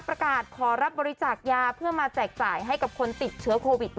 ประกาศขอรับบริจาคยาเพื่อมาแจกจ่ายให้กับคนติดเชื้อโควิด